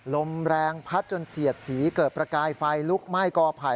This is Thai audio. ลมแรงพัดจนเสียดสีเกิดประกายไฟลุกไหม้กอไผ่